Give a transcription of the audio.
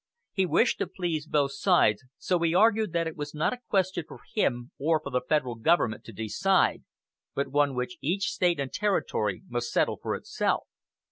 He wished to please both sides, so he argued that it was not a question for him or for the Federal Government to decide, but one which each State and Territory must settle for itself.